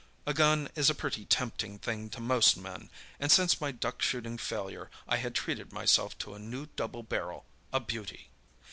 A gun is a pretty tempting thing to most men, and since my duck shooting failure I had treated myself to a new double barrel—a beauty.